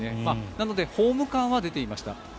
なので、ホーム感は出ていました。